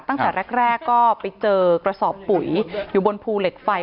ตั้งแต่แรกก็ไปเจอกระสอบปุ๋ยอยู่บนภูเหล็กไฟ